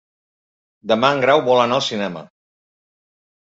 Demà en Grau vol anar al cinema.